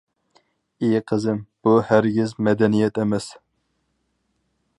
ئى قىزىم، بۇ ھەرگىز مەدەنىيەت ئەمەس.